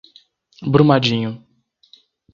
Brumadinho